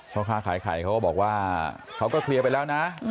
พ่อค้าขายไข่เขาก็บอกว่าเขาก็เคลียร์ไปแล้วนะ